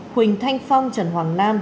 huỳnh thanh phong trần hoàng nam